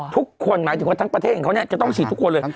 หมายถึงว่าทั้งประเทศของเขาเนี่ยจะต้องฉีดทุกคนเลย